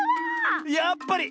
やっぱり！